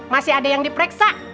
masih ada yang diperiksa